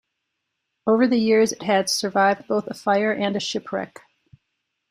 Over the years, it has survived both a fire and a shipwreck.